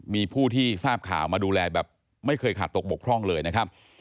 มีผู้ที่ทราบข่าวมาดูแลแบบไม่เคยขาดตกบกพร่องเลยนะครับ